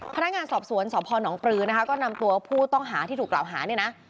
พนักงานสอบสวนสอบภหนองปรื้อก็นำตัวผู้ต้องหาที่ถูกเหล่าหา